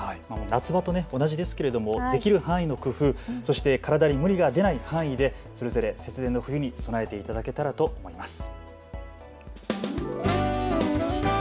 夏場と同じですけれどもできる範囲の工夫、そして体に無理が出ない範囲でそれぞれ節電の冬に備えていただけたらと思います。